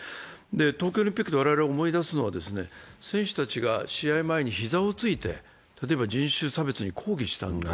東京オリンピックで我々思い出すのは、選手たちが試合前にひざをついて人種差別に抗議した。